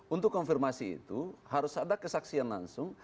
untuk konfirmasi itu harus ada kesaksian langsung